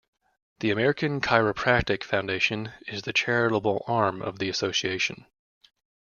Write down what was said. The American Chiropractic Foundation is the charitable arm of the association.